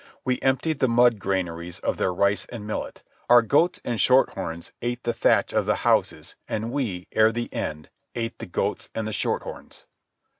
We emptied the mud granaries of their rice and millet. Our goats and shorthorns ate the thatch of the houses, and we, ere the end, ate the goats and the shorthorns.